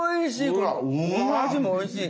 このアジもおいしい。